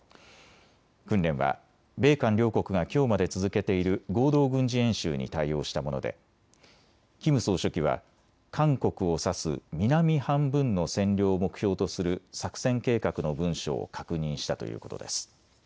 訓練は米韓両国がきょうまで続けている合同軍事演習に対応したものでキム総書記は韓国を指す南半分の占領を目標とする作戦計画の文書を確認したということです。